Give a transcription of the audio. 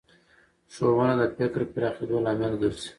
ښوونه د فکر پراخېدو لامل ګرځي